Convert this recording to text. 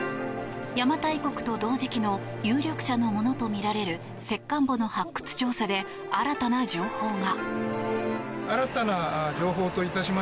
邪馬台国と同時期の有力者のものとみられる石棺墓の発掘調査で新たな情報が。